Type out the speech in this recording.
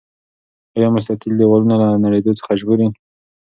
آیا مستطیل دیوالونه له نړیدو څخه ژغوري؟